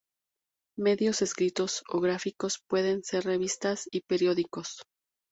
Medios escritos o gráficos: Pueden ser revistas y periódicos.